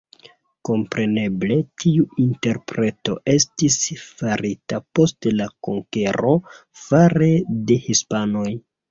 Kompreneble tiu interpreto estis farita post la konkero fare de hispanoj.